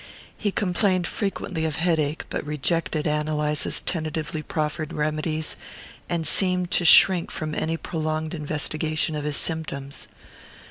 He complained frequently of headache, but rejected Ann Eliza's tentatively proffered remedies, and seemed to shrink from any prolonged investigation of his symptoms.